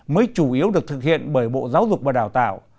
mới chủ yếu được thực hiện bởi bộ giáo dục và đào tạo